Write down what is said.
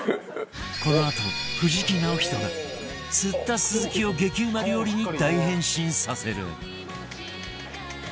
このあと藤木直人が釣ったスズキを激うま料理に大変身させる